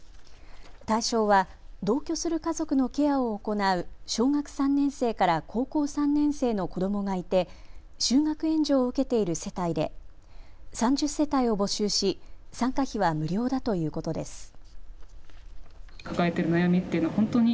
対象は同居する家族のケアを行う小学３年生から高校３年生の子どもがいて就学援助を受けている世帯で３０世帯を募集し参加費は無料だということです。